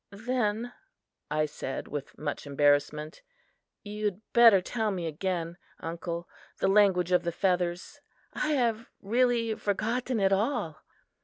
"Then," I said, with much embarrassment, "you had better tell me again, uncle, the language of the feathers. I have really forgotten it all."